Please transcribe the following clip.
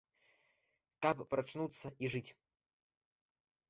Каб прачнуцца і жыць.